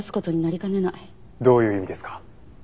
どういう意味ですか？